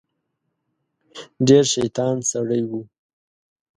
ډیر شیطان سړی و.